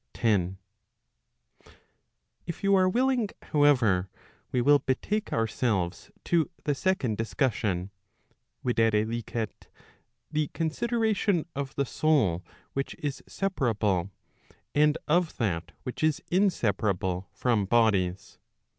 453 10. If you are willing, however, we will betake ourselves to the second discussion, viz. the consideration of the soul which is separable, and of that which is inseparable from bodies.